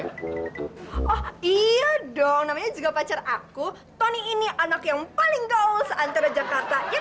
oh iya dong namanya juga pacar aku tony ini anak yang paling gaul seantara jakarta ya kan sayang ya kan